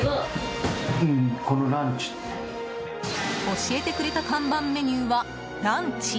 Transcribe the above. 教えてくれた看板メニューはランチ。